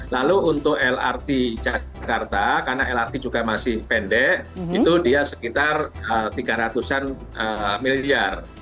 lalu untuk lrt jakarta karena lrt juga masih pendek itu dia sekitar tiga ratus an miliar